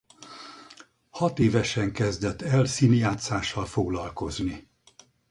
Hatévesen kezdett el színjátszással foglalkozni.